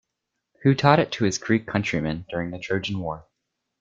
Who taught it to his Greek countrymen during the Trojan War.